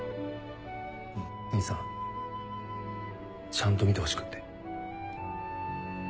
兄さんちゃんと見てほしくって。